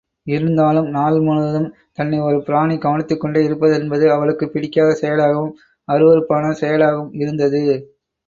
இருந்தாலும் நாள் முழுவதும் தன்னை ஒரு பிராணி கவனித்துக்கொண்டே இருப்பதென்பது அவளுக்குப் பிடிக்காத செயலாகவும், அருவருப்பான செயலாகவும் இருந்தது.